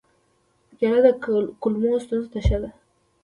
کېله د کولمو ستونزو ته ښه ده.